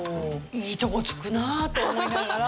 いいとこ突くなと思いながら。